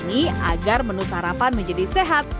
ini agar menu sarapan menjadi sehat